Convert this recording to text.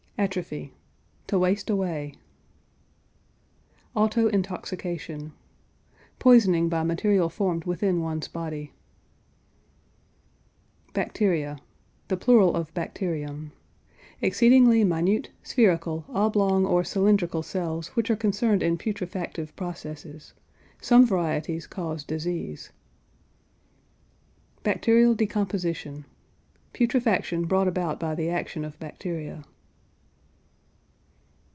ATROPHY. To waste away. AUTO INTOXICATION. Poisoning by material formed within one's body. BACTERIA (the plural of bacterium). Exceedingly minute, spherical, oblong, or cylindrical cells which are concerned in putrefactive processes. Some varieties cause disease. BACTERIAL DECOMPOSITION. Putrefaction brought about by the action of bacteria.